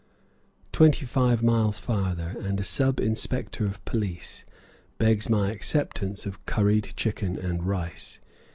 Twenty five miles farther, and a sub inspector of police begs my acceptance of curried chicken and rice.